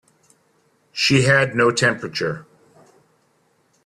She had no temperature.